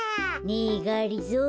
ねえがりぞー。